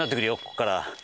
ここから。